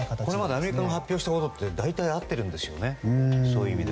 これまでアメリカの発表したことって大体合ってるんですよね。